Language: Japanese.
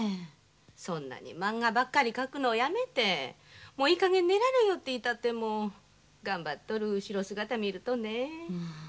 そんなにまんがばっかり描くのをやめてもういいかげん寝られよって言いたくっても頑張っとる後ろ姿見るとねえ。